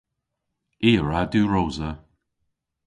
I a wra diwrosa.